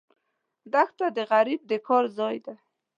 دښته د غریب د کار ځای ده.